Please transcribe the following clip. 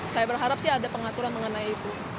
saya berharap sih ada pengaturan mengenai itu